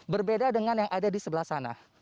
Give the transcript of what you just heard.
berbeda dengan yang ada di sebelah sana